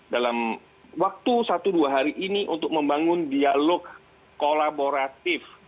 dalam waktu satu dua hari ini untuk membangun dialog kolaboratif